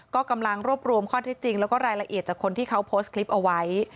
ก็กำลังรวบรวมข้อเท็จจริงแล้วก็รายละเอียดจากคนที่เขาโพสต์คลิปเอาไว้